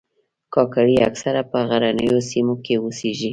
کاکړي اکثره په غرنیو سیمو کې اوسیږي.